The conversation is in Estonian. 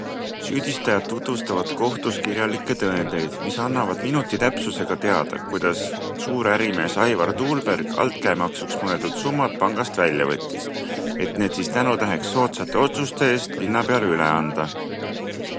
Süüdistajad tutvustavad kohtus kirjalikke tõendeid, mis annavad minutitäpsusega teada, kuidas suurärimees Aivar Tuulberg altkäemaksuks mõeldud summad pangast välja võttis, et need siis tänutäheks soodsate otsuste eest linnapeale üle anda.